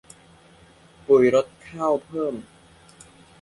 ปุ๋ยลด ข้าวเพิ่ม